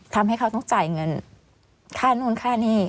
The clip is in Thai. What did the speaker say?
ทำให้เขาต้องจ่ายเงินค่านู่นค่านี่